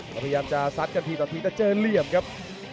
แล้วพยายามจะซัดกันทีต่อทีแต่เจอเหลี่ยมครับ